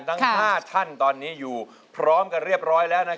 ทั้ง๕ท่านตอนนี้อยู่พร้อมกันเรียบร้อยแล้ว